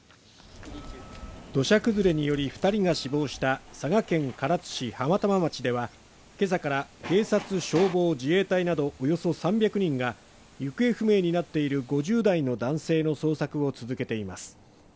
土砂崩れにより２人が死亡した佐賀県唐津市浜玉町ではけさから、警察、消防、自衛隊などおよそ３００人が行方不明になっている５０代の男性の捜索を続けています。